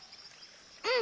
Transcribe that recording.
うん！